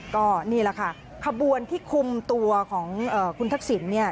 ก็นี่แหละค่ะขบวนที่คุมตัวของคุณทักษิณเนี่ย